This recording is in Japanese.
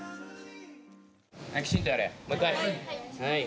きちんとやれ、もう一回。